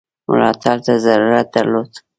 ملاتړ ته ضرورت درلود.